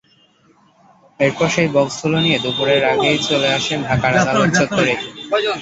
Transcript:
এরপর সেই বক্সগুলো নিয়ে দুপুরের আগেই চলে আসেন ঢাকার আদালত চত্বরে।